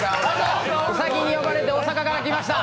兔に呼ばれて大阪から来ました。